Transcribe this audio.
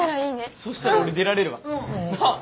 そしたら俺出られるわ。なあ。